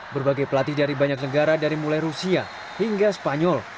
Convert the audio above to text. berbagai pelatih dari banyak negara dari mulai rusia hingga spanyol